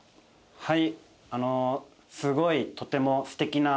はい！